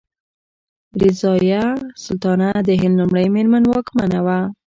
رضیا سلطانه د هند لومړۍ میرمن واکمنه وه.